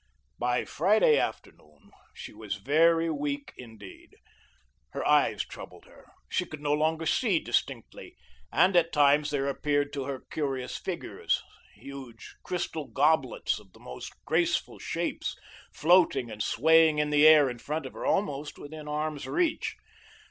By Friday afternoon, she was very weak, indeed. Her eyes troubled her. She could no longer see distinctly, and at times there appeared to her curious figures, huge crystal goblets of the most graceful shapes, floating and swaying in the air in front of her, almost within arm's reach.